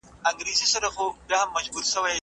د مفرور ناول لیکوال څوک دی؟